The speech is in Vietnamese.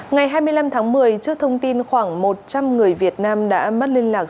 ngày hai mươi năm tháng một mươi trước thông tin khoảng một trăm linh người việt nam đã mất liên lạc